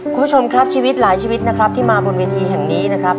คุณผู้ชมครับชีวิตหลายชีวิตนะครับที่มาบนเวทีแห่งนี้นะครับ